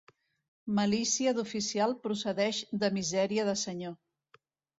Malícia d'oficial procedeix de misèria de senyor.